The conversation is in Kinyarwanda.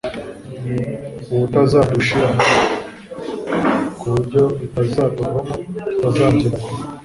Ubutazadushira: ku buryo bitazatuvamo, tutazabyibagirwa.